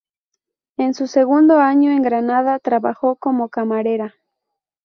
En su segundo año en Granada trabajó como camarera.